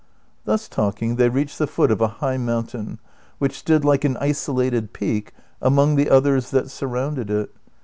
^ Thus talking they reached the foot of a high mountain which stood like an isolated peak among the others that surrounded it.